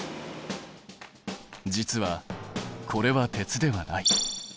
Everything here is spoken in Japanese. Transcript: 実はこれは鉄ではない。